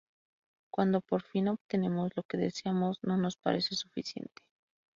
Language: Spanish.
Cuando, por fin, obtenemos lo que deseamos, no nos parece suficiente.